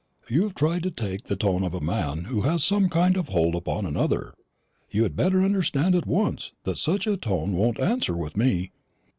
You have tried to take the tone of a man who has some kind of hold upon another. You had better understand at once that such a tone won't answer with me.